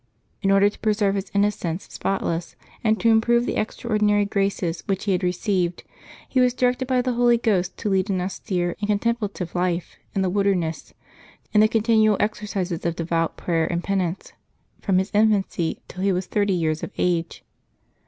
In order to preserve his innocence spotless, and to improve the extraordinary graces which he had received, he was directed by the Holy Ghost to lead an austere and contemplative life in the August 29] LIVES OF THE SAINTS 297 wilderness, in the continual exercises of devout prayer and penance, from his infancy till he was thirty years of age.